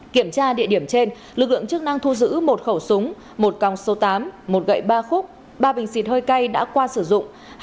kiểm tra địa điểm trên lực lượng chức năng thu giữ một khẩu súng một còng số tám một gậy ba khúc ba bình xịt hơi cay đã qua sử dụng